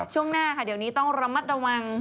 ช่วงหน้าค่ะเดี๋ยวนี้ต้องระมัดระวัง